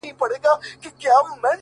ستا د يادو لپاره-